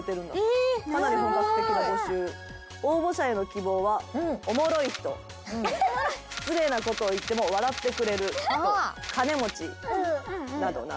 応募者への希望はおもろい人失礼な事を言っても笑ってくれる人金持ちなどなど。